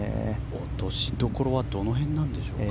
落としどころはどの辺なんでしょうか。